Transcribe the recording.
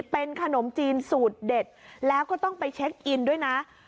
เป็นขนมจีนสูตรเด็ดแล้วก็ต้องไปเช็คอินด้วยนะ